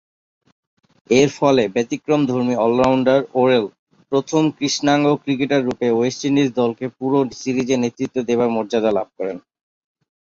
এরফলে ব্যতিক্রমধর্মী all rounder Worrell প্রথম কৃষ্ণাঙ্গ ক্রিকেটাররূপে ওয়েস্ট ইন্ডিজ দলকে পুরো সিরিজে নেতৃত্ব দেবার মর্যাদা লাভ করেন।